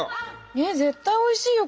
ええ絶対おいしいよこれ。